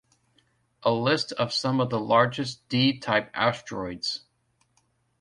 A list of some of the largest D-type asteroids.